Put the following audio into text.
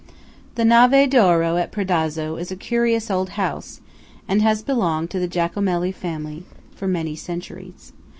The Nave d'Oro at Predazzo is a curious old house, and has belonged to the Giacomelli family for many centuries.